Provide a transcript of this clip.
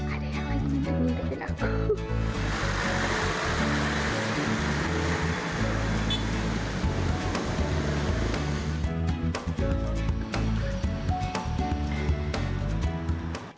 ada yang lagi minta mintain aku